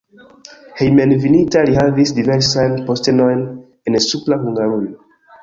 Hejmenveninta li havis diversajn postenojn en Supra Hungarujo.